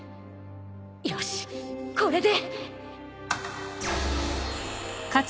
よしこれで！